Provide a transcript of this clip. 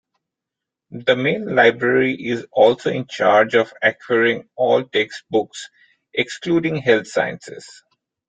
The Main Library is also in charge of acquiring all textbooks excluding health sciences.